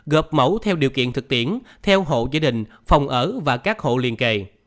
gợp mẫu theo điều kiện thực tiễn theo hộ gia đình phòng ở và các hộ liên kề